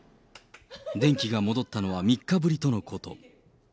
電気が戻ったのは３日ぶりとのこと。